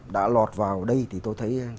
đã lọt vào đây thì tôi thấy